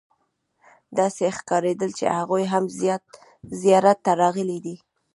داسې ښکارېدل چې هغوی هم زیارت ته راغلي دي.